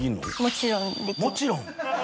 「もちろん」。